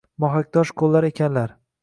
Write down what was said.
mohaktosh qo’llar ekanlar.